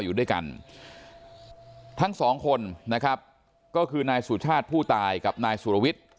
อยู่ด้วยกันทั้งสองคนนะครับก็คือนายสุชาติผู้ตายกับนายสุรวิทย์